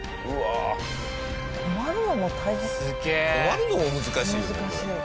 止まるのも難しいよこれ。